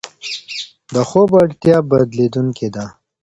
د خوب اړتیا بدلېدونکې ده.